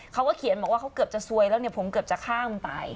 เขาก็เขียนบอกว่าเขาเกือบจะซวยแล้วเนี่ยผมเกือบจะฆ่ามึงตาย